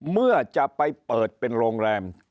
เมื่อจะไปเปิดเป็นโรงแรม